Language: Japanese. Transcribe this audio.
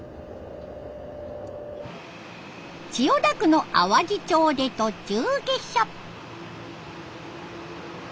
千代田区の淡路町で途中下車。